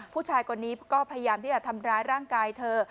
ผู้ชายคนนี้ก็พยายามที่จะทำร้ายร่างกายเธอ